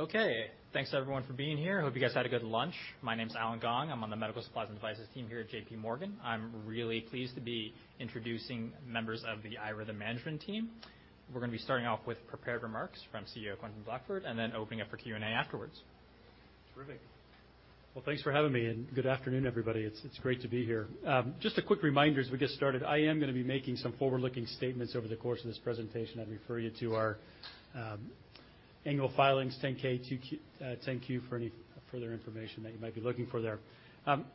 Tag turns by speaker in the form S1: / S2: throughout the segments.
S1: Okay. Thanks everyone for being here. Hope you guys had a good lunch. My name is Allen Gong. I'm on the medical supplies and devices team here at JPMorgan. I'm really pleased to be introducing members of the iRhythm management team. We're gonna be starting off with prepared remarks from CEO Quentin Blackford, and then opening up for Q&A afterwards.
S2: Terrific. Thanks for having me, good afternoon, everybody. It's great to be here. Just a quick reminder as we get started, I am gonna be making some forward-looking statements over the course of this presentation. I'd refer you to our annual filings, 10-K, 2Q, 10-Q for any further information that you might be looking for there.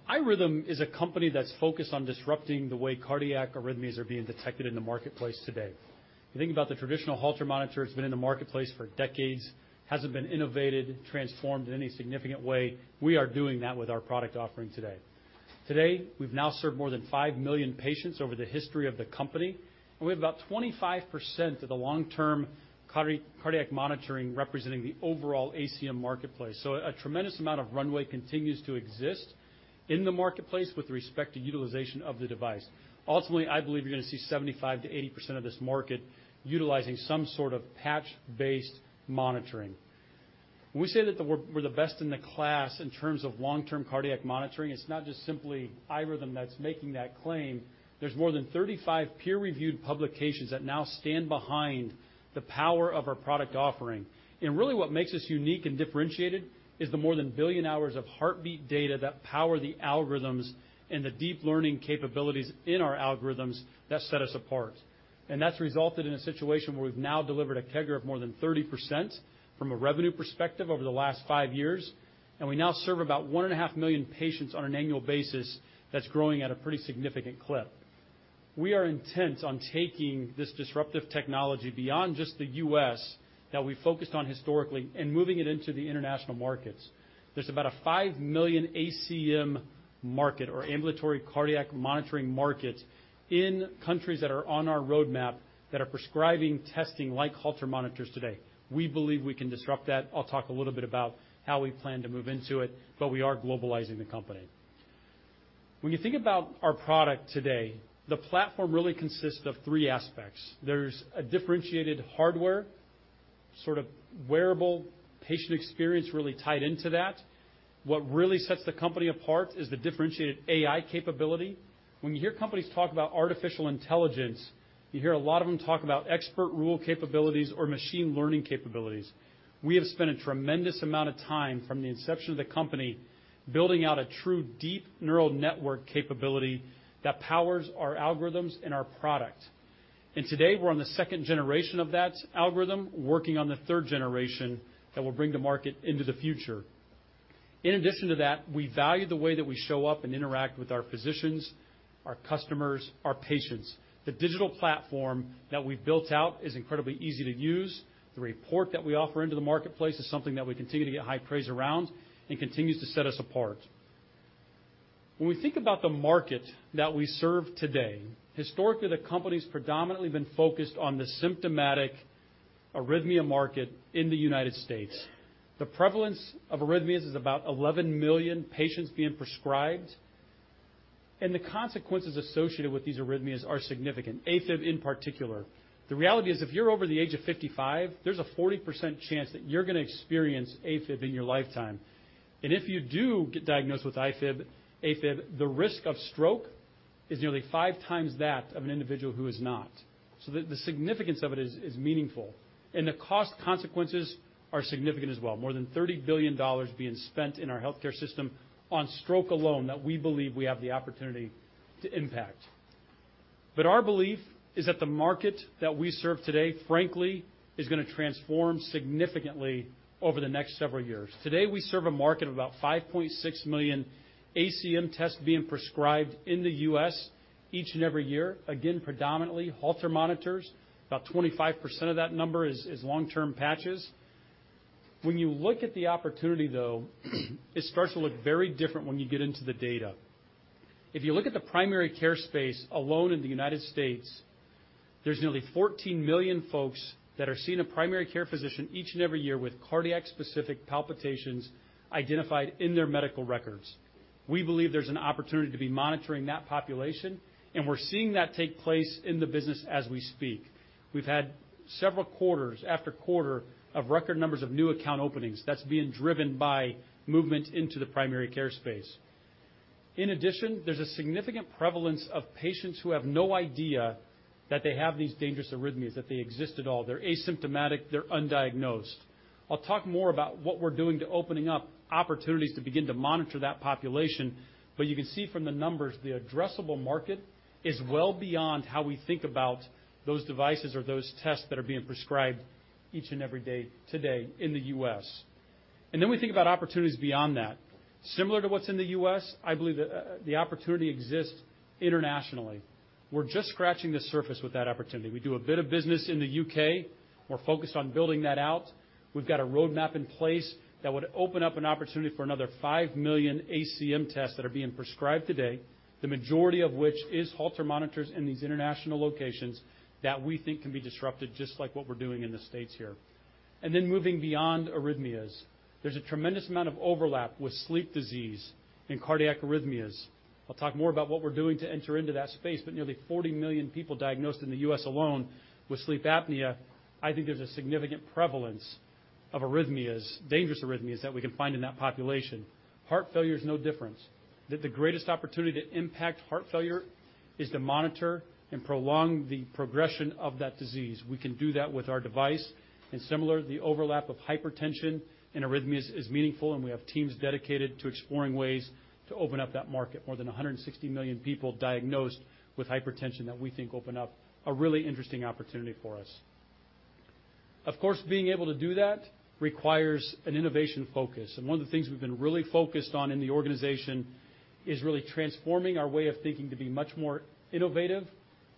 S2: iRhythm is a company that's focused on disrupting the way cardiac arrhythmias are being detected in the marketplace today. You think about the traditional Holter monitor, it's been in the marketplace for decades, hasn't been innovated, transformed in any significant way. We are doing that with our product offering today. Today, we've now served more than 5 million patients over the history of the company, we have about 25% of the long-term cardiac monitoring representing the overall ACM marketplace. A tremendous amount of runway continues to exist in the marketplace with respect to utilization of the device. Ultimately, I believe you're gonna see 75%-80% of this market utilizing some sort of patch-based monitoring. When we say that we're the best in the class in terms of long-term cardiac monitoring, it's not just simply iRhythm that's making that claim. There's more than 35 peer-reviewed publications that now stand behind the power of our product offering. Really what makes us unique and differentiated is the more than 1 billion hours of heartbeat data that power the algorithms and the deep learning capabilities in our algorithms that set us apart. That's resulted in a situation where we've now delivered a CAGR of more than 30% from a revenue perspective over the last five years, and we now serve about 1.5 million patients on an annual basis that's growing at a pretty significant clip. We are intent on taking this disruptive technology beyond just the U.S. that we focused on historically and moving it into the international markets. There's about a 5 million ACM market or ambulatory cardiac monitoring market in countries that are on our roadmap that are prescribing testing like Holter monitors today. We believe we can disrupt that. I'll talk a little bit about how we plan to move into it, but we are globalizing the company. When you think about our product today, the platform really consists of three aspects. There's a differentiated hardware, sort of wearable patient experience really tied into that. What really sets the company apart is the differentiated AI capability. When you hear companies talk about artificial intelligence, you hear a lot of them talk about expert rule capabilities or machine learning capabilities. We have spent a tremendous amount of time from the inception of the company building out a true deep neural network capability that powers our algorithms and our product. Today, we're on the second generation of that algorithm, working on the third generation that we'll bring to market into the future. In addition to that, we value the way that we show up and interact with our physicians, our customers, our patients. The digital platform that we've built out is incredibly easy to use. The report that we offer into the marketplace is something that we continue to get high praise around and continues to set us apart. When we think about the market that we serve today, historically, the company's predominantly been focused on the symptomatic arrhythmia market in the United States. The prevalence of arrhythmias is about 11 million patients being prescribed, and the consequences associated with these arrhythmias are significant, AFib in particular. The reality is, if you're over the age of 55, there's a 40% chance that you're gonna experience AFib in your lifetime. If you do get diagnosed with AFib, the risk of stroke is nearly five times that of an individual who is not. The significance of it is meaningful, and the cost consequences are significant as well. More than $30 billion being spent in our healthcare system on stroke alone that we believe we have the opportunity to impact. Our belief is that the market that we serve today, frankly, is gonna transform significantly over the next several years. Today, we serve a market of about 5.6 million ACM tests being prescribed in the U.S. each and every year. Again, predominantly Holter monitors. About 25% of that number is long-term patches. When you look at the opportunity, though, it starts to look very different when you get into the data. If you look at the primary care space alone in the United States, there's nearly 14 million folks that are seeing a primary care physician each and every year with cardiac-specific palpitations identified in their medical records. We believe there's an opportunity to be monitoring that population, and we're seeing that take place in the business as we speak. We've had several quarters after quarter of record numbers of new account openings that's being driven by movement into the primary care space. In addition, there's a significant prevalence of patients who have no idea that they have these dangerous arrhythmias, that they exist at all. They're asymptomatic, they're undiagnosed. I'll talk more about what we're doing to opening up opportunities to begin to monitor that population, but you can see from the numbers, the addressable market is well beyond how we think about those devices or those tests that are being prescribed each and every day today in the U.S. We think about opportunities beyond that. Similar to what's in the U.S., I believe the opportunity exists internationally. We're just scratching the surface with that opportunity. We do a bit of business in the UK. We're focused on building that out. We've got a roadmap in place that would open up an opportunity for another 5 million ACM tests that are being prescribed today, the majority of which is Holter monitors in these international locations that we think can be disrupted just like what we're doing in the States here. Moving beyond arrhythmias, there's a tremendous amount of overlap with sleep disease and cardiac arrhythmias. I'll talk more about what we're doing to enter into that space, nearly 40 million people diagnosed in the US alone with sleep apnea, I think there's a significant prevalence of arrhythmias, dangerous arrhythmias that we can find in that population. Heart failure is no different, that the greatest opportunity to impact heart failure is to monitor and prolong the progression of that disease. We can do that with our device. Similar, the overlap of hypertension and arrhythmias is meaningful, and we have teams dedicated to exploring ways to open up that market. More than 160 million people diagnosed with hypertension that we think open up a really interesting opportunity for us. Of course, being able to do that requires an innovation focus, and one of the things we've been really focused on in the organization is really transforming our way of thinking to be much more innovative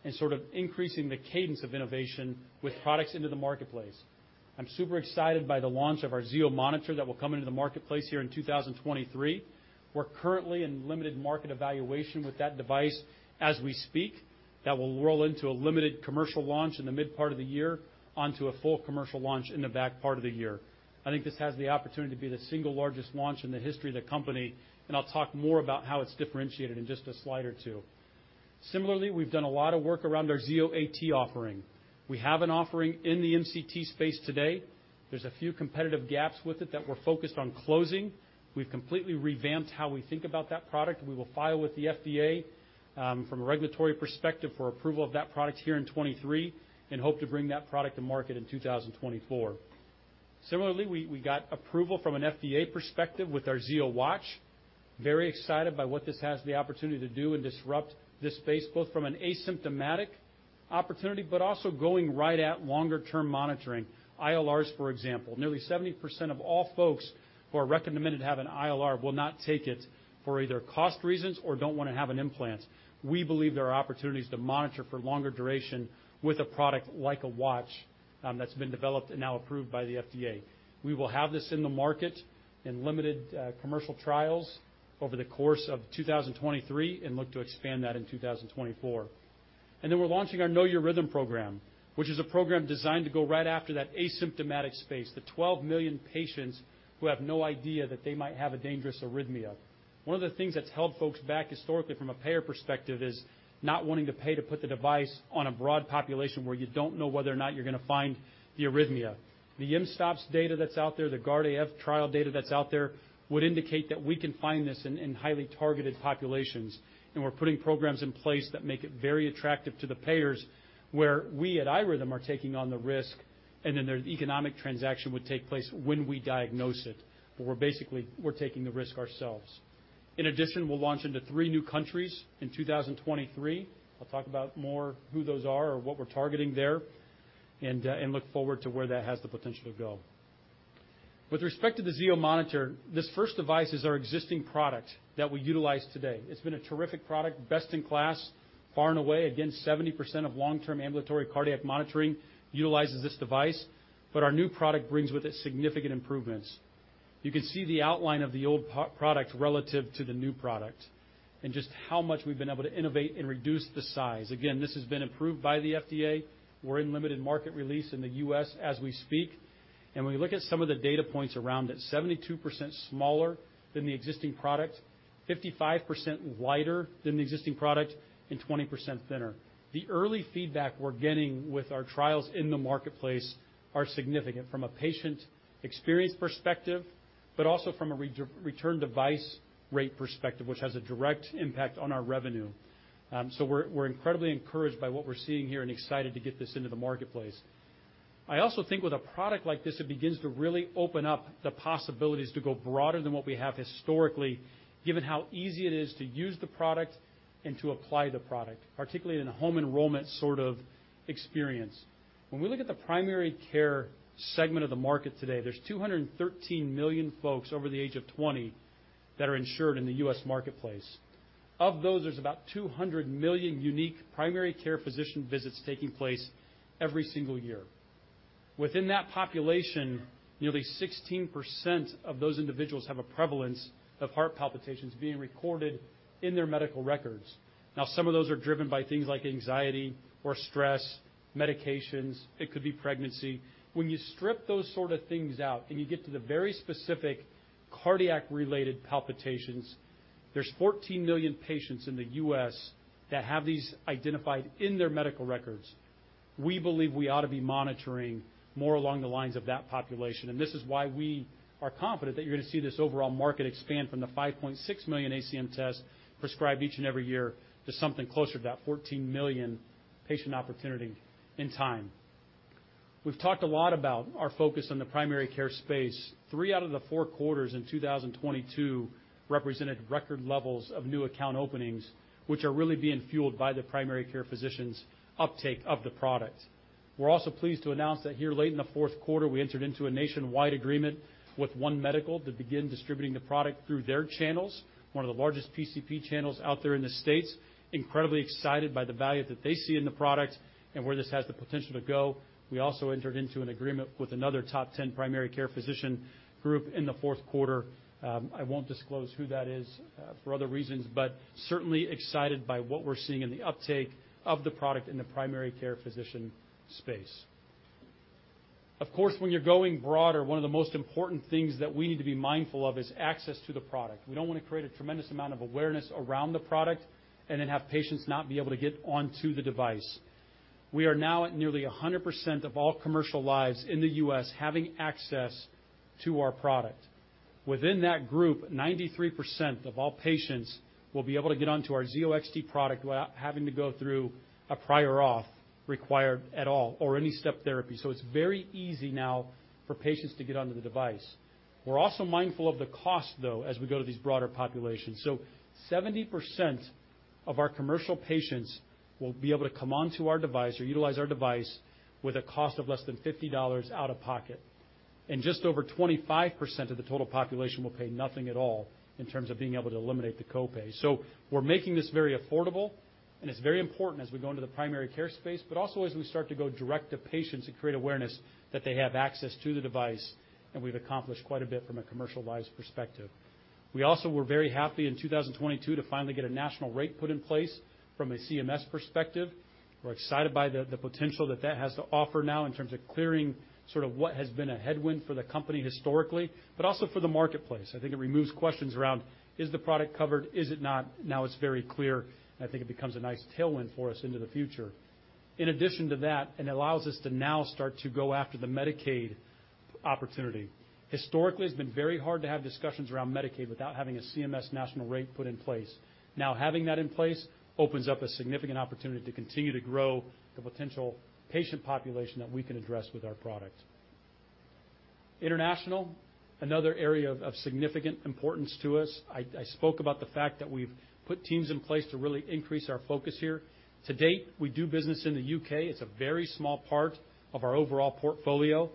S2: and sort of increasing the cadence of innovation with products into the marketplace. I'm super excited by the launch of our Zio monitor that will come into the marketplace here in 2023. We're currently in limited market evaluation with that device as we speak that will roll into a limited commercial launch in the mid part of the year onto a full commercial launch in the back part of the year. I think this has the opportunity to be the single largest launch in the history of the company, and I'll talk more about how it's differentiated in just a slide or two. Similarly, we've done a lot of work around our Zio AT offering. We have an offering in the MCT space today. There's a few competitive gaps with it that we're focused on closing. We've completely revamped how we think about that product. We will file with the FDA from a regulatory perspective for approval of that product here in 23 and hope to bring that product to market in 2024. Similarly, we got approval from an FDA perspective with our Zio Watch. Very excited by what this has the opportunity to do and disrupt this space, both from an asymptomatic opportunity, but also going right at longer-term monitoring. ILRs, for example, nearly 70% of all folks who are recommended to have an ILR will not take it for either cost reasons or don't wanna have an implant. We believe there are opportunities to monitor for longer duration with a product like a watch that's been developed and now approved by the FDA. We will have this in the market in limited commercial trials over the course of 2023 and look to expand that in 2024. We're launching our Know Your Rhythm program, which is a program designed to go right after that asymptomatic space, the 12 million patients who have no idea that they might have a dangerous arrhythmia. One of the things that's held folks back historically from a payer perspective is not wanting to pay to put the device on a broad population where you don't know whether or not you're gonna find the arrhythmia. The mSToPS data that's out there, the GUARD-AF trial data that's out there would indicate that we can find this in highly targeted populations, and we're putting programs in place that make it very attractive to the payers where we at iRhythm are taking on the risk, and then their economic transaction would take place when we diagnose it, where basically we're taking the risk ourselves. In addition, we'll launch into three new countries in 2023. I'll talk about more who those are or what we're targeting there, and look forward to where that has the potential to go. With respect to the Zio monitor, this first device is our existing product that we utilize today. It's been a terrific product, best in class, far and away. Again, 70% of long-term ambulatory cardiac monitoring utilizes this device. Our new product brings with it significant improvements. You can see the outline of the old product relative to the new product and just how much we've been able to innovate and reduce the size. Again, this has been approved by the FDA. We're in limited market release in the U.S. as we speak. When we look at some of the data points around it, 72% smaller than the existing product, 55% lighter than the existing product, and 20% thinner. The early feedback we're getting with our trials in the marketplace are significant from a patient experience perspective, but also from a return device rate perspective, which has a direct impact on our revenue. We're incredibly encouraged by what we're seeing here and excited to get this into the marketplace. I also think with a product like this, it begins to really open up the possibilities to go broader than what we have historically, given how easy it is to use the product and to apply the product, particularly in a Home Enrollment sort of experience. When we look at the primary care segment of the market today, there's 213 million folks over the age of 20 that are insured in the U.S. marketplace. Of those, there's about 200 million unique primary care physician visits taking place every single year. Within that population, nearly 16% of those individuals have a prevalence of heart palpitations being recorded in their medical records. Some of those are driven by things like anxiety or stress, medications, it could be pregnancy. When you strip those sort of things out and you get to the very specific cardiac-related palpitations, there's 14 million patients in the U.S. that have these identified in their medical records. We believe we ought to be monitoring more along the lines of that population. This is why we are confident that you're gonna see this overall market expand from the $5.6 million ACM tests prescribed each and every year to something closer to that $14 million patient opportunity in time. We've talked a lot about our focus on the primary care space. Three out of the four quarters in 2022 represented record levels of new account openings, which are really being fueled by the primary care physicians' uptake of the product. We're also pleased to announce that here late in the fourth quarter, we entered into a nationwide agreement with One Medical to begin distributing the product through their channels, one of the largest PCP channels out there in the States. Incredibly excited by the value that they see in the product and where this has the potential to go. We also entered into an agreement with another top 10 primary care physician group in the fourth quarter. I won't disclose who that is for other reasons, but certainly excited by what we're seeing in the uptake of the product in the primary care physician space. When you're going broader, one of the most important things that we need to be mindful of is access to the product. We don't want to create a tremendous amount of awareness around the product and then have patients not be able to get onto the device. We are now at nearly 100% of all commercial lives in the U.S. having access to our product. Within that group, 93% of all patients will be able to get onto our Zio XT product without having to go through a prior auth required at all or any step therapy. It's very easy now for patients to get onto the device. We're also mindful of the cost, though, as we go to these broader populations. 70% of our commercial patients will be able to come onto our device or utilize our device with a cost of less than $50 out of pocket. Just over 25% of the total population will pay nothing at all in terms of being able to eliminate the copay. We're making this very affordable, and it's very important as we go into the primary care space, but also as we start to go direct to patients and create awareness that they have access to the device, and we've accomplished quite a bit from a commercial lives perspective. We also were very happy in 2022 to finally get a national rate put in place from a CMS perspective. We're excited by the potential that that has to offer now in terms of clearing sort of what has been a headwind for the company historically, but also for the marketplace. I think it removes questions around, is the product covered? Is it not? Now it's very clear, and I think it becomes a nice tailwind for us into the future. In addition to that, it allows us to now start to go after the Medicaid opportunity. Historically, it's been very hard to have discussions around Medicaid without having a CMS national rate put in place. Having that in place opens up a significant opportunity to continue to grow the potential patient population that we can address with our product. International, another area of significant importance to us. I spoke about the fact that we've put teams in place to really increase our focus here. To date, we do business in the U.K. It's a very small part of our overall portfolio.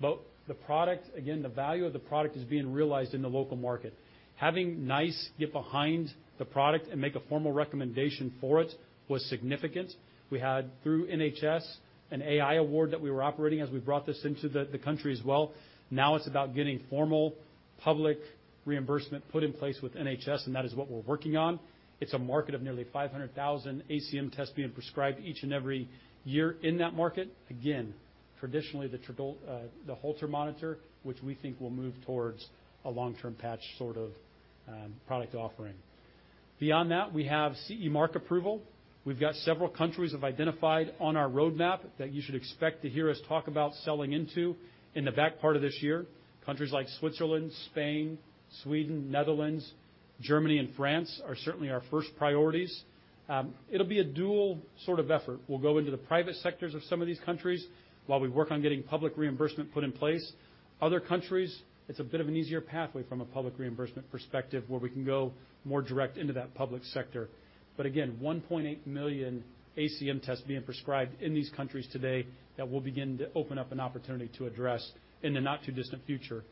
S2: The product, again, the value of the product is being realized in the local market. Having NICE get behind the product and make a formal recommendation for it was significant. We had through NHS an AI award that we were operating as we brought this into the country as well. Now it's about getting formal public reimbursement put in place with NHS. That is what we're working on. It's a market of nearly 500,000 ACM tests being prescribed each and every year in that market. Again, traditionally the Holter monitor, which we think will move towards a long-term patch sort of product offering. Beyond that, we have CE mark approval. We've got several countries have identified on our roadmap that you should expect to hear us talk about selling into in the back part of this year. Countries like Switzerland, Spain, Sweden, Netherlands, Germany, and France are certainly our first priorities. It'll be a dual sort of effort. We'll go into the private sectors of some of these countries while we work on getting public reimbursement put in place. Other countries, it's a bit of an easier pathway from a public reimbursement perspective where we can go more direct into that public sector. Again, 1.8 million ACM tests being prescribed in these countries today that will begin to open up an opportunity to address in the not-too-distant future.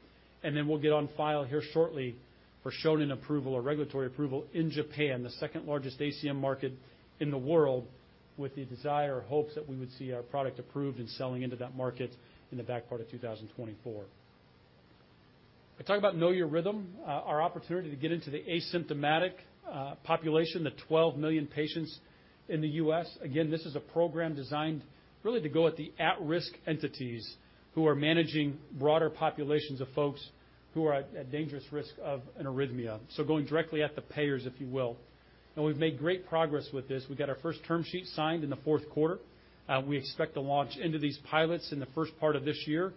S2: We'll get on file here shortly for Shonin approval or regulatory approval in Japan, the second-largest ACM market in the world, with the desire or hopes that we would see our product approved and selling into that market in the back part of 2024. I talk about Know Your Rhythm, our opportunity to get into the asymptomatic population, the 12 million patients in the US. Again, this is a program designed really to go at the at-risk entities who are managing broader populations of folks who are at dangerous risk of an arrhythmia. Going directly at the payers, if you will. We've made great progress with this. We got our first term sheet signed in the fourth quarter. We expect to launch into these pilots in the first part of this year.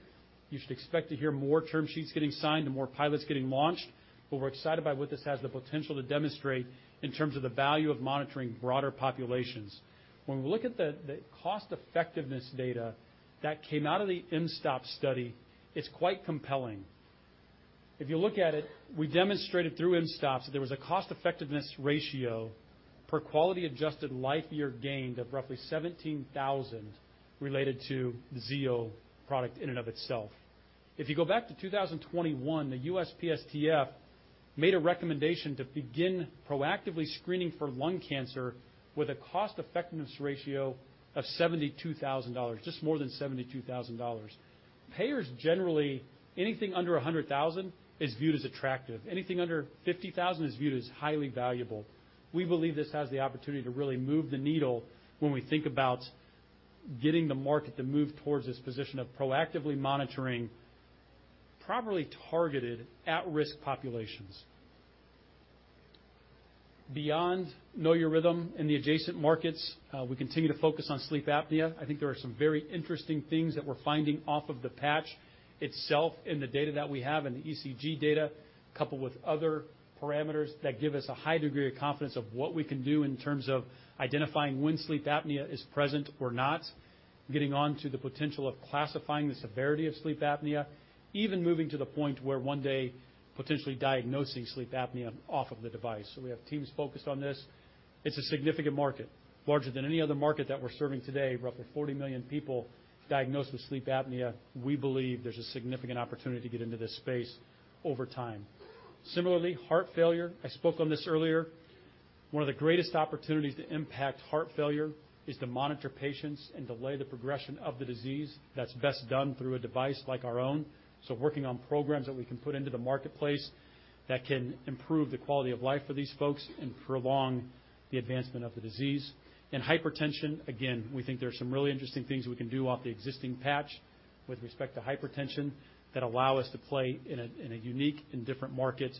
S2: You should expect to hear more term sheets getting signed and more pilots getting launched. We're excited by what this has the potential to demonstrate in terms of the value of monitoring broader populations. We look at the cost-effectiveness data that came out of the mSToPS study, it's quite compelling. You look at it, we demonstrated through mSToPS that there was a cost-effectiveness ratio per quality-adjusted life year gained of roughly $17,000 related to the Zio product in and of itself. If you go back to 2021, the USPSTF made a recommendation to begin proactively screening for lung cancer with a cost-effectiveness ratio of $72,000, just more than $72,000. Payers generally, anything under $100,000 is viewed as attractive. Anything under $50,000 is viewed as highly valuable. We believe this has the opportunity to really move the needle when we think about getting the market to move towards this position of proactively monitoring properly targeted at-risk populations. Beyond Know Your Rhythm and the adjacent markets, we continue to focus on sleep apnea. I think there are some very interesting things that we're finding off of the patch itself in the data that we have and the ECG data coupled with other parameters that give us a high degree of confidence of what we can do in terms of identifying when sleep apnea is present or not, getting on to the potential of classifying the severity of sleep apnea, even moving to the point where one day potentially diagnosing sleep apnea off of the device. We have teams focused on this. It's a significant market, larger than any other market that we're serving today, roughly 40 million people diagnosed with sleep apnea. We believe there's a significant opportunity to get into this space over time. Similarly, heart failure, I spoke on this earlier. One of the greatest opportunities to impact heart failure is to monitor patients and delay the progression of the disease that's best done through a device like our own. Working on programs that we can put into the marketplace that can improve the quality of life for these folks and prolong the advancement of the disease. In hypertension, again, we think there's some really interesting things we can do off the existing patch with respect to hypertension that allow us to play in a, in a unique and different market.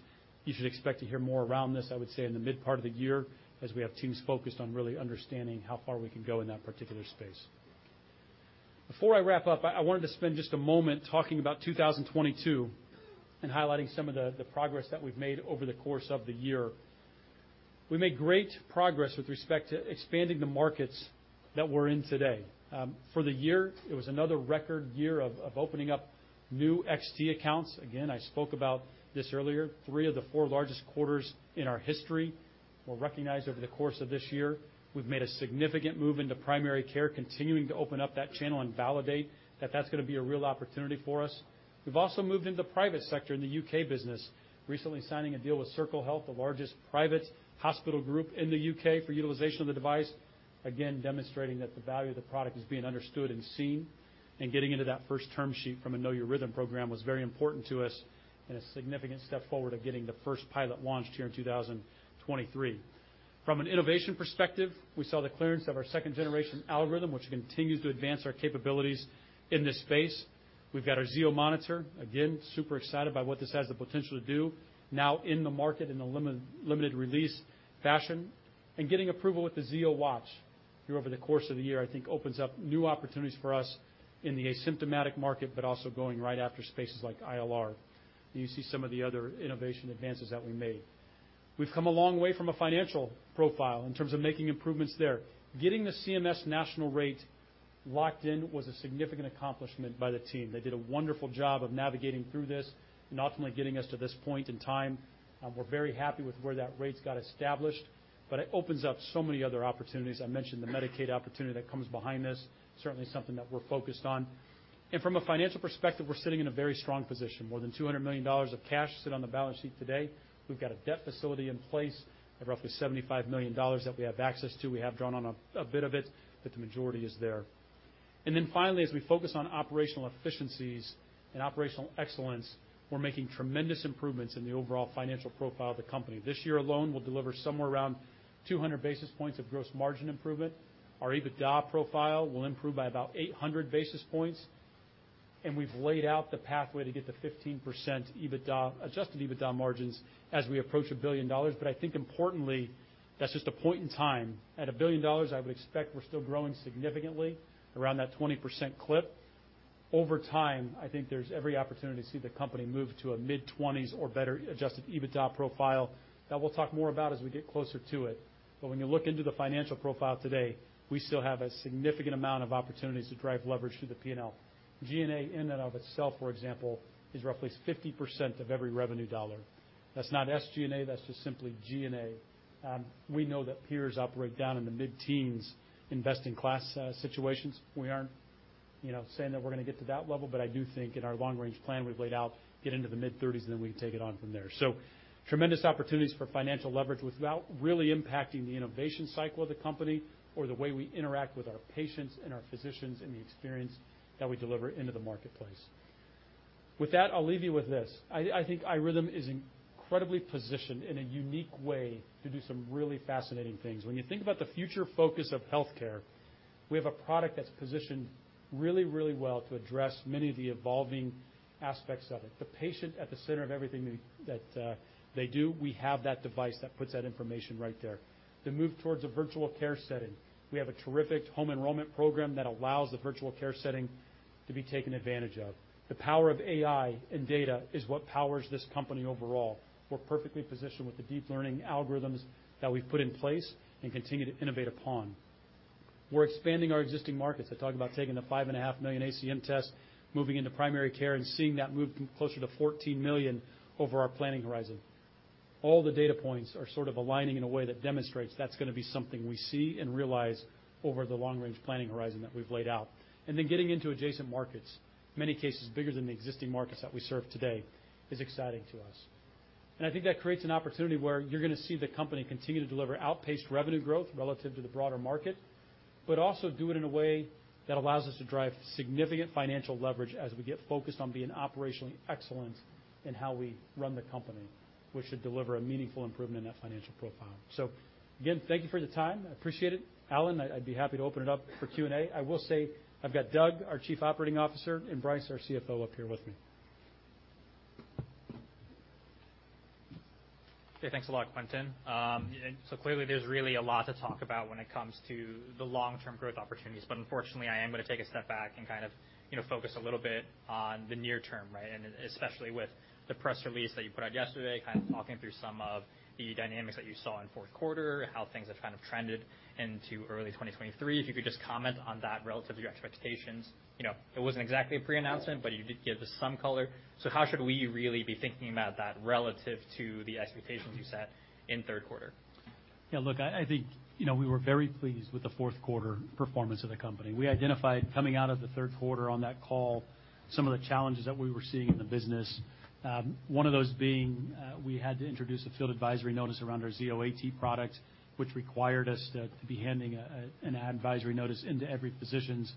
S2: You should expect to hear more around this, I would say, in the mid part of the year, as we have teams focused on really understanding how far we can go in that particular space. Before I wrap up, I wanted to spend just a moment talking about 2022 and highlighting some of the progress that we've made over the course of the year. We made great progress with respect to expanding the markets that we're in today. For the year, it was another record year of opening up new XT accounts. Again, I spoke about this earlier. Three of the four largest quarters in our history were recognized over the course of this year. We've made a significant move into primary care, continuing to open up that channel and validate that that's gonna be a real opportunity for us. We've also moved into private sector in the U.K. business, recently signing a deal with Circle Health, the largest private hospital group in the U.K., for utilization of the device. Again, demonstrating that the value of the product is being understood and seen, getting into that first term sheet from a Know Your Rhythm program was very important to us and a significant step forward of getting the first pilot launched here in 2023. From an innovation perspective, we saw the clearance of our second-generation algorithm, which continues to advance our capabilities in this space. We've got our Zio monitor, again, super excited by what this has the potential to do now in the market in a limited release fashion and getting approval with the Zio Watch here over the course of the year, I think opens up new opportunities for us in the asymptomatic market, but also going right after spaces like ILR, and you see some of the other innovation advances that we made. We've come a long way from a financial profile in terms of making improvements there. Getting the CMS national rate locked in was a significant accomplishment by the team. They did a wonderful job of navigating through this and ultimately getting us to this point in time. We're very happy with where that rate's got established, but it opens up so many other opportunities. I mentioned the Medicaid opportunity that comes behind this, certainly something that we're focused on. From a financial perspective, we're sitting in a very strong position. More than $200 million of cash sit on the balance sheet today. We've got a debt facility in place of roughly $75 million that we have access to. We have drawn on a bit of it, but the majority is there. Finally, as we focus on operational efficiencies and operational excellence, we're making tremendous improvements in the overall financial profile of the company. This year alone, we'll deliver somewhere around 200 basis points of gross margin improvement. Our EBITDA profile will improve by about 800 basis points, and we've laid out the pathway to get to 15% EBITDA, adjusted EBITDA margins as we approach $1 billion. I think importantly, that's just a point in time. At $1 billion, I would expect we're still growing significantly around that 20% clip. Over time, I think there's every opportunity to see the company move to a mid-20s or better adjusted EBITDA profile that we'll talk more about as we get closer to it. When you look into the financial profile today, we still have a significant amount of opportunities to drive leverage through the P&L. G&A in and of itself, for example, is roughly 50% of every revenue dollar. That's not SG&A, that's just simply G&A. We know that peers operate down in the mid-teens investing class situations. We aren't, you know, saying that we're gonna get to that level, but I do think in our long-range plan, we've laid out get into the mid-thirties, and then we can take it on from there. Tremendous opportunities for financial leverage without really impacting the innovation cycle of the company or the way we interact with our patients and our physicians and the experience that we deliver into the marketplace. With that, I'll leave you with this. I think iRhythm is incredibly positioned in a unique way to do some really fascinating things. When you think about the future focus of healthcare, we have a product that's positioned really, really well to address many of the evolving aspects of it. The patient at the center of everything they do, we have that device that puts that information right there. The move towards a virtual care setting, we have a terrific Home Enrollment program that allows the virtual care setting to be taken advantage of. The power of AI and data is what powers this company overall. We're perfectly positioned with the deep learning algorithms that we've put in place and continue to innovate upon. We're expanding our existing markets. I talk about taking the $5.5 million ACM tests, moving into primary care, and seeing that move closer to $14 million over our planning horizon. All the data points are sort of aligning in a way that demonstrates that's gonna be something we see and realize over the long-range planning horizon that we've laid out. Then getting into adjacent markets, many cases bigger than the existing markets that we serve today, is exciting to us. I think that creates an opportunity where you're gonna see the company continue to deliver outpaced revenue growth relative to the broader market, but also do it in a way that allows us to drive significant financial leverage as we get focused on being operationally excellent in how we run the company, which should deliver a meaningful improvement in that financial profile. Again, thank you for the time. I appreciate it. Allen, I'd be happy to open it up for Q&A. I will say I've got Doug, our Chief Operating Officer, and Brice, our CFO, up here with me.
S1: Okay. Thanks a lot, Quentin. Clearly, there's really a lot to talk about when it comes to the long-term growth opportunities, but unfortunately, I am gonna take a step back and kind of, you know, focus a little bit on the near term, right? Especially with the press release that you put out yesterday, kind of walking through some of the dynamics that you saw in fourth quarter, how things have kind of trended into early 2023. If you could just comment on that relative to your expectations. You know, it wasn't exactly a pre-announcement, but you did give us some color. How should we really be thinking about that relative to the expectations you set in third quarter?
S2: Yeah, look, I think, you know, we were very pleased with the fourth quarter performance of the company. We identified coming out of the third quarter on that call some of the challenges that we were seeing in the business, one of those being, we had to introduce a field advisory notice around our Zio AT product, which required us to be handing an advisory notice into every physician's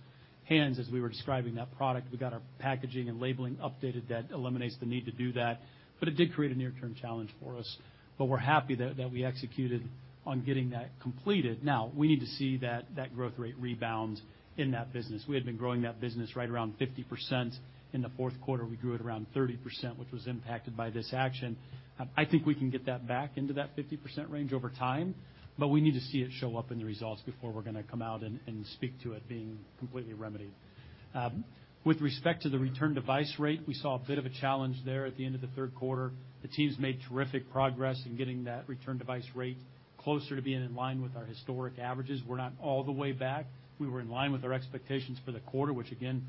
S2: hands as we were describing that product. We got our packaging and labeling updated that eliminates the need to do that, it did create a near-term challenge for us. We're happy that we executed on getting that completed. Now, we need to see that growth rate rebound in that business. We had been growing that business right around 50%. In the fourth quarter, we grew at around 30%, which was impacted by this action. I think we can get that back into that 50% range over time, but we need to see it show up in the results before we're gonna come out and speak to it being completely remedied. With respect to the return device rate, we saw a bit of a challenge there at the end of the third quarter. The team's made terrific progress in getting that return device rate closer to being in line with our historic averages. We're not all the way back. We were in line with our expectations for the quarter, which again,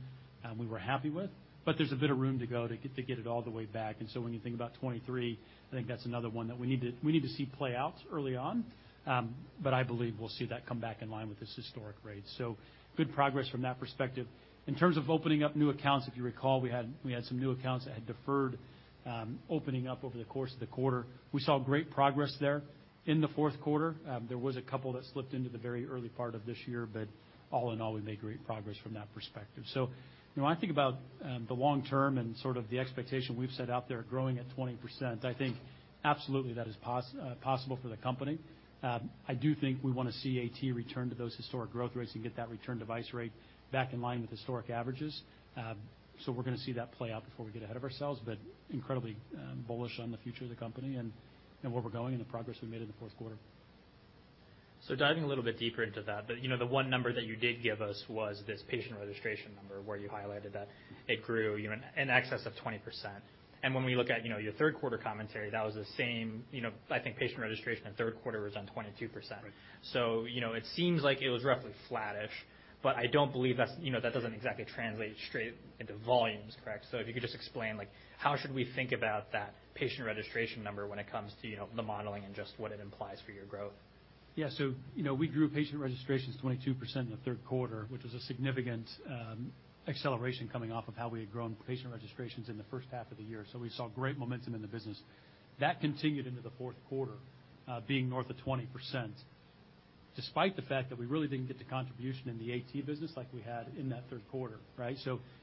S2: we were happy with, but there's a bit of room to go to get it all the way back. When you think about 2023, I think that's another one that we need to see play out early on. I believe we'll see that come back in line with this historic rate. Good progress from that perspective. In terms of opening up new accounts, if you recall, we had some new accounts that had deferred opening up over the course of the quarter. We saw great progress there in the fourth quarter. There was a couple that slipped into the very early part of this year, but all in all, we made great progress from that perspective. You know, when I think about the long term and sort of the expectation we've set out there growing at 20%, I think absolutely that is possible for the company. I do think we wanna see AT return to those historic growth rates and get that return device rate back in line with historic averages. We're gonna see that play out before we get ahead of ourselves, but incredibly bullish on the future of the company and where we're going and the progress we made in the fourth quarter.
S1: Diving a little bit deeper into that, but, you know, the one number that you did give us was this patient registration number, where you highlighted that it grew, you know, in excess of 20%. When we look at, you know, your third quarter commentary, that was the same, you know, I think patient registration in third quarter was on 22%.
S2: Right.
S1: You know, it seems like it was roughly flattish, but I don't believe that's, you know, that doesn't exactly translate straight into volumes, correct? If you could just explain, like, how should we think about that patient registration number when it comes to, you know, the modeling and just what it implies for your growth?
S2: You know, we grew patient registrations 22% in the third quarter, which was a significant acceleration coming off of how we had grown patient registrations in the first half of the year. We saw great momentum in the business. That continued into the fourth quarter, being north of 20%, despite the fact that we really didn't get the contribution in the AT business like we had in that third quarter, right?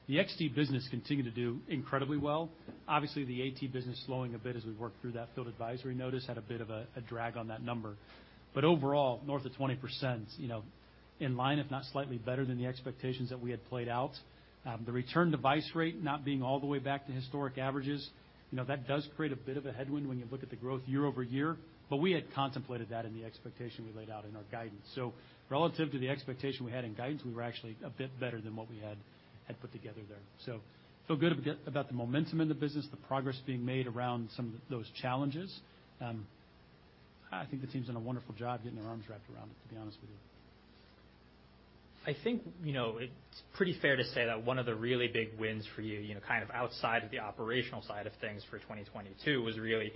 S2: The XT business continued to do incredibly well. Obviously, the AT business slowing a bit as we worked through that field advisory notice had a bit of a drag on that number. Overall, north of 20%, you know, in line, if not slightly better than the expectations that we had played out. The return device rate not being all the way back to historic averages, you know, that does create a bit of a headwind when you look at the growth year-over-year. We had contemplated that in the expectation we laid out in our guidance. Relative to the expectation we had in guidance, we were actually a bit better than what we had put together there. Feel good about the momentum in the business, the progress being made around some of those challenges. I think the team's done a wonderful job getting their arms wrapped around it, to be honest with you.
S1: I think, you know, it's pretty fair to say that one of the really big wins for you know, kind of outside of the operational side of things for 2022 was really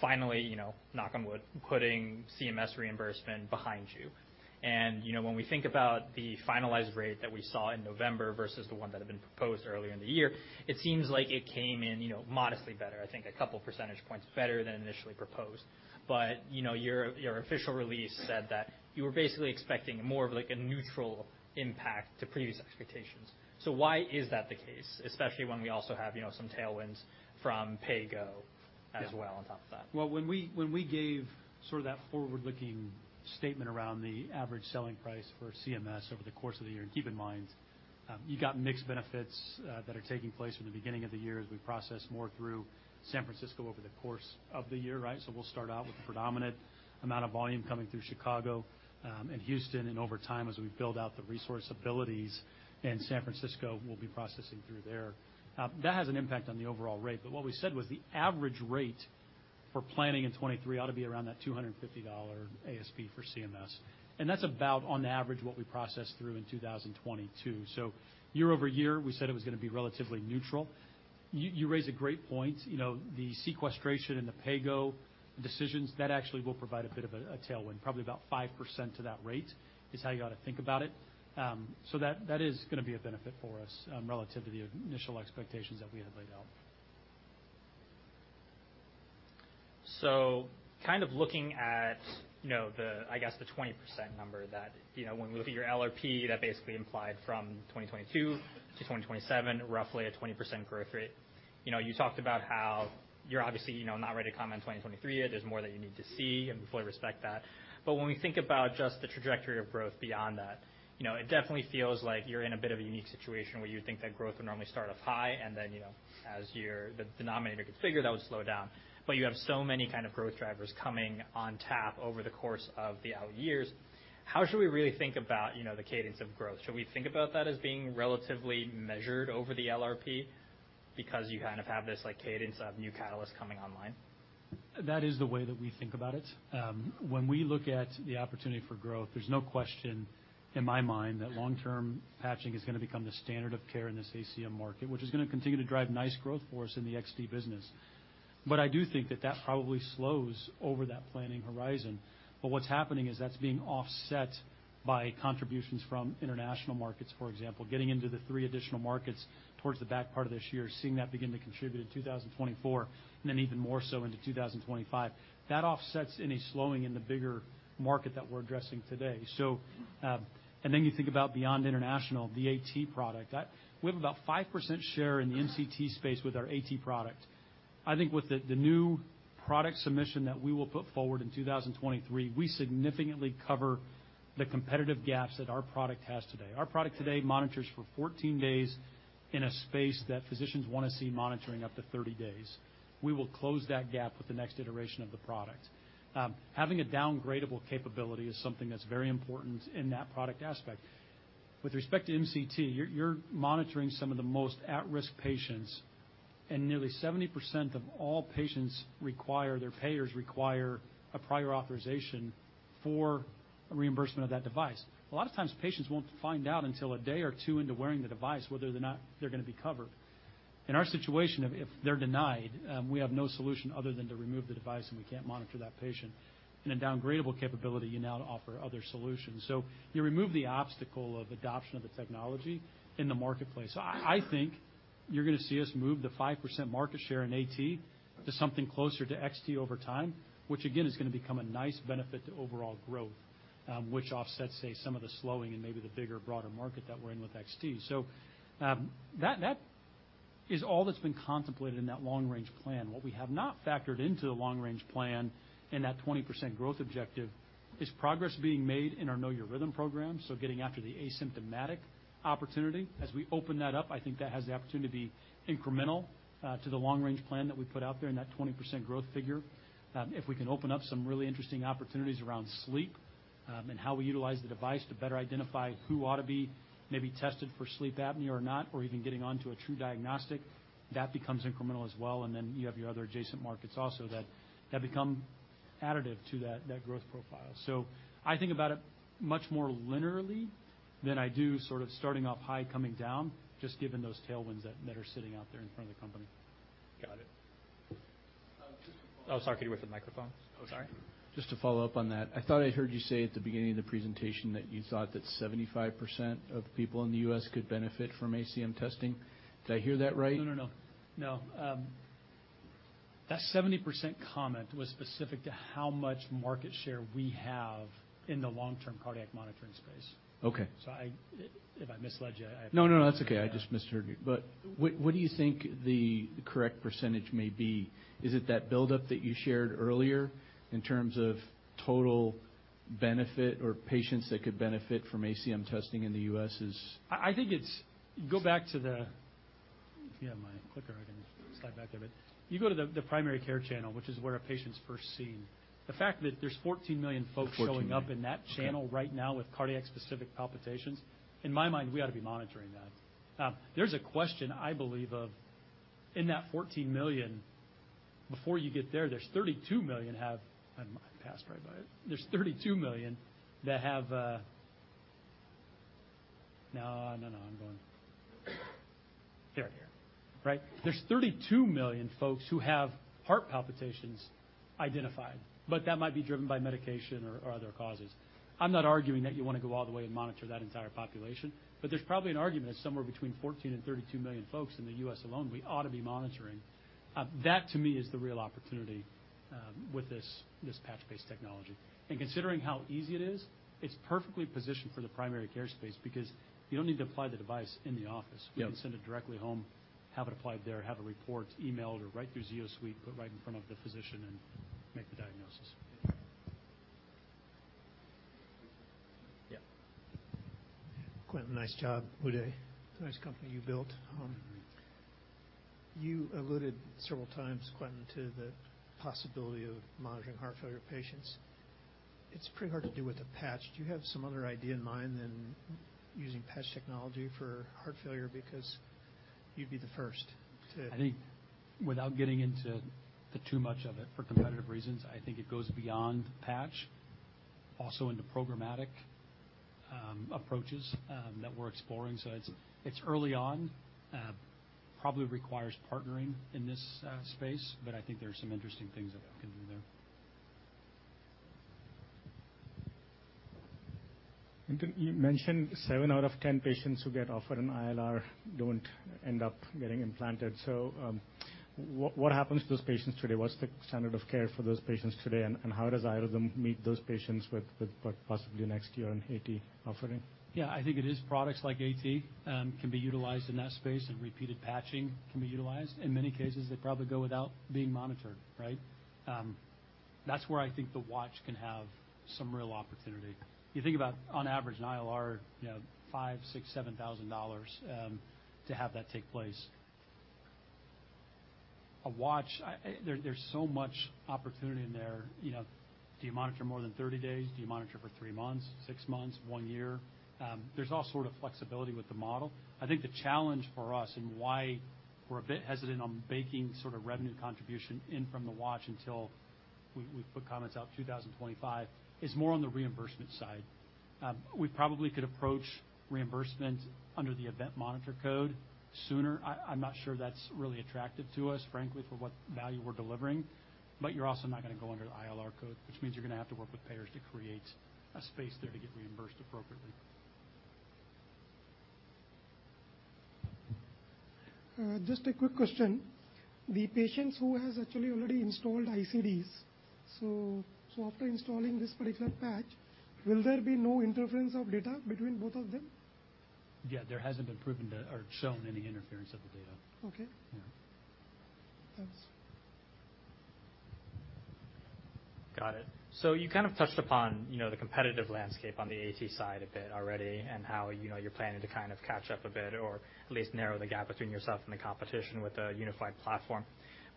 S1: finally, you know, knock on wood, putting CMS reimbursement behind you. When we think about the finalized rate that we saw in November versus the one that had been proposed earlier in the year, it seems like it came in, you know, modestly better, I think a couple percentage points better than initially proposed. Your, you know, your official release said that you were basically expecting more of like a neutral impact to previous expectations. Why is that the case? Especially when we also have, you know, some tailwinds from PAYGO as well on top of that.
S2: Well, when we gave sort of that forward-looking statement around the average selling price for CMS over the course of the year, and keep in mind, you got mixed benefits that are taking place from the beginning of the year as we process more through San Francisco over the course of the year, right? We'll start out with predominant amount of volume coming through Chicago and Houston, and over time, as we build out the resource abilities in San Francisco, we'll be processing through there. That has an impact on the overall rate. What we said was the average rate for planning in 2023 ought to be around that $250 ASP for CMS. That's about on average what we processed through in 2022. Year-over-year, we said it was gonna be relatively neutral. You raise a great point. You know, the sequestration and the PAYGO decisions, that actually will provide a bit of a tailwind, probably about 5% to that rate is how you ought to think about it. That is gonna be a benefit for us, relative to the initial expectations that we had laid out.
S1: Kind of looking at, you know, the, I guess, the 20% number that, you know, when we look at your LRP, that basically implied from 2022 to 2027, roughly a 20% growth rate. You talked about how you're obviously, you know, not ready to comment 2023 yet. There's more that you need to see, we fully respect that. When we think about just the trajectory of growth beyond that, you know, it definitely feels like you're in a bit of a unique situation where you think that growth would normally start off high and then, you know, the denominator gets bigger, that would slow down. You have so many kind of growth drivers coming on tap over the course of the out years. How should we really think about, you know, the cadence of growth? Should we think about that as being relatively measured over the LRP because you kind of have this, like, cadence of new catalysts coming online?
S2: That is the way that we think about it. When we look at the opportunity for growth, there's no question in my mind that long-term patching is gonna become the standard of care in this ACM market, which is gonna continue to drive nice growth for us in the XT business. I do think that that probably slows over that planning horizon. What's happening is that's being offset by contributions from international markets, for example, getting into the three additional markets towards the back part of this year, seeing that begin to contribute in 2024, and then even more so into 2025. That offsets any slowing in the bigger market that we're addressing today. Then you think about beyond international, the AT product. We have about 5% share in the MCT space with our AT product. I think with the new product submission that we will put forward in 2023, we significantly cover the competitive gaps that our product has today. Our product today monitors for 14 days in a space that physicians wanna see monitoring up to 30 days. We will close that gap with the next iteration of the product. Having a downgradable capability is something that's very important in that product aspect. With respect to MCT, you're monitoring some of the most at-risk patients, and nearly 70% of all patients require, their payers require a prior authorization for reimbursement of that device. A lot of times, patients won't find out until a day or two into wearing the device whether or not they're gonna be covered. In our situation, if they're denied, we have no solution other than to remove the device, and we can't monitor that patient. In a downgradable capability, you now offer other solutions. You remove the obstacle of adoption of the technology in the marketplace. I think you're gonna see us move the 5% market share in AT to something closer to XT over time, which again, is gonna become a nice benefit to overall growth, which offsets, say, some of the slowing in maybe the bigger, broader market that we're in with XT. That is all that's been contemplated in that long-range plan. What we have not factored into the long-range plan in that 20% growth objective is progress being made in our Know Your Rhythm program, so getting after the asymptomatic opportunity. As we open that up, I think that has the opportunity to be incremental to the long-range plan that we put out there in that 20% growth figure. If we can open up some really interesting opportunities around sleep, and how we utilize the device to better identify who ought to be maybe tested for sleep apnea or not, or even getting onto a true diagnostic, that becomes incremental as well. You have your other adjacent markets also that become additive to that growth profile. I think about it much more linearly than I do sort of starting off high coming down, just given those tailwinds that are sitting out there in front of the company.
S1: Got it.
S3: Just to follow up-
S1: Oh, sorry. Could you wait for the microphone? Oh, sorry.
S3: Just to follow up on that. I thought I heard you say at the beginning of the presentation that you thought that 75% of people in the US could benefit from ACM testing. Did I hear that right?
S2: No, no. No. That 70% comment was specific to how much market share we have in the long-term cardiac monitoring space.
S3: Okay.
S2: If I misled you.
S3: No, no, that's okay. I just misheard you. What do you think the correct % may be? Is it that buildup that you shared earlier in terms of total benefit or patients that could benefit from ACM testing in the U.S.?
S2: I think it's. If you have my clicker, I can slide back a bit. You go to the primary care channel, which is where a patient's first seen. The fact that there's 14 million folks showing up-
S3: $14 million. Okay.
S2: ...in that channel right now with cardiac specific palpitations, in my mind, we ought to be monitoring that. There's a question I believe of in that 14 million, before you get there. Right? There's 32 million folks who have heart palpitations identified, but that might be driven by medication or other causes. I'm not arguing that you wanna go all the way and monitor that entire population, but there's probably an argument that somewhere between 14 million and 32 million folks in the U.S. alone we ought to be monitoring. That to me is the real opportunity with this patch-based technology. Considering how easy it is, it's perfectly positioned for the primary care space because you don't need to apply the device in the office.
S3: Yeah.
S2: We can send it directly home, have it applied there, have a report emailed or right through Zio Suite, put right in front of the physician and make the diagnosis.
S3: Yeah.
S4: Quentin, nice job. Uday. It's a nice company you built. You alluded several times, Quentin, to the possibility of monitoring heart failure patients. It's pretty hard to do with a patch. Do you have some other idea in mind than using patch technology for heart failure because you'd be the first to-
S2: I think without getting into the too much of it for competitive reasons, I think it goes beyond patch, also into programmatic approaches that we're exploring. It's early on. Probably requires partnering in this space, but I think there are some interesting things that can do there.
S4: Quentin, you mentioned seven out of 10 patients who get offered an ILR don't end up getting implanted. What happens to those patients today? What's the standard of care for those patients today, and how does iRhythm meet those patients with what possibly next year in AT offering?
S2: I think it is products like AT can be utilized in that space, and repeated patching can be utilized. In many cases, they probably go without being monitored, right? That's where I think the watch can have some real opportunity. You think about on average, an ILR, you know, $5,000-$7,000 to have that take place. A watch, there's so much opportunity in there. You know, do you monitor more than 30 days? Do you monitor for three months, six months, one year? There's all sort of flexibility with the model. I think the challenge for us and why we're a bit hesitant on baking sort of revenue contribution in from the watch until we put comments out 2025. It's more on the reimbursement side. We probably could approach reimbursement under the event monitor code sooner. I'm not sure that's really attractive to us, frankly, for what value we're delivering. You're also not gonna go under the ILR code, which means you're gonna have to work with payers to create a space there to get reimbursed appropriately.
S4: Just a quick question. The patients who has actually already installed ICDs, after installing this particular patch, will there be no interference of data between both of them?
S2: Yeah, there hasn't been proven to or shown any interference of the data.
S4: Okay.
S2: Yeah.
S4: Thanks.
S1: Got it. You kind of touched upon, you know, the competitive landscape on the AT side a bit already and how, you know, you're planning to kind of catch up a bit or at least narrow the gap between yourself and the competition with a unified platform.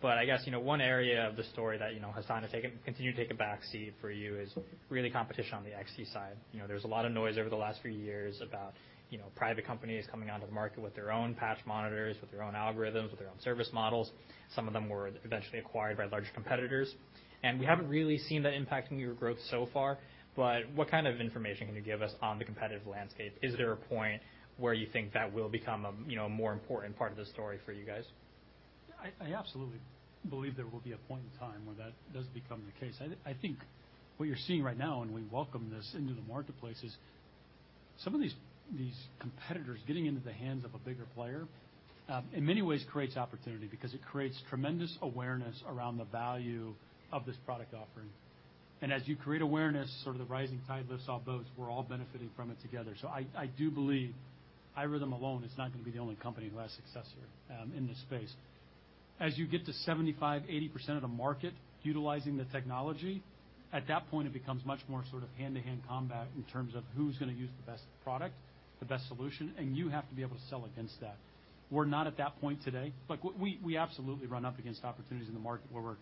S1: I guess, you know, one area of the story that, you know, has kind of taken, continue to take a back seat for you is really competition on the XT side. You know, there's a lot of noise over the last few years about, you know, private companies coming onto the market with their own patch monitors, with their own algorithms, with their own service models. Some of them were eventually acquired by larger competitors. We haven't really seen that impacting your growth so far, but what kind of information can you give us on the competitive landscape? Is there a point where you think that will become a, you know, more important part of the story for you guys?
S2: I absolutely believe there will be a point in time where that does become the case. I think what you're seeing right now, and we welcome this into the marketplace, is some of these competitors getting into the hands of a bigger player, in many ways creates opportunity because it creates tremendous awareness around the value of this product offering. As you create awareness or the rising tide lifts all boats, we're all benefiting from it together. I do believe iRhythm alone is not gonna be the only company who has success here in this space. As you get to 75%, 80% of the market utilizing the technology, at that point, it becomes much more sort of hand-to-hand combat in terms of who's gonna use the best product, the best solution, and you have to be able to sell against that. We're not at that point today. Like, we absolutely run up against opportunities in the market where we're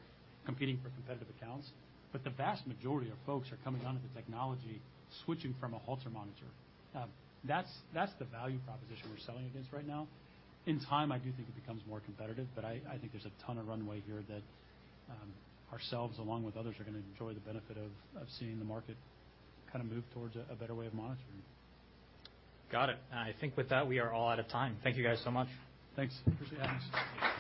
S2: competing for competitive accounts, but the vast majority of folks are coming onto the technology switching from a Holter monitor. That's the value proposition we're selling against right now. In time, I do think it becomes more competitive, but I think there's a ton of runway here that ourselves along with others are gonna enjoy the benefit of seeing the market kinda move towards a better way of monitoring.
S1: Got it. I think with that, we are all out of time. Thank you guys so much.
S2: Thanks. Appreciate it.